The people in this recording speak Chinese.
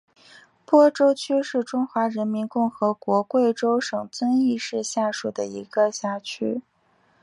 播州区是中华人民共和国贵州省遵义市下属的一个市辖区。